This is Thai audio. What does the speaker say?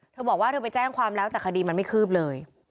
เธอบอกว่าเธอไปแจ้งความแล้วแต่คดีมันไม่คืบเลย